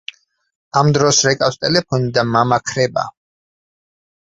ამ დროს რეკავს ტელეფონი და მამა ქრება.